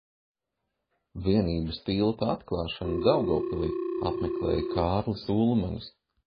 Vienības tilta atklāšanu Daugavpilī apmeklēja Kārlis Ulmanis.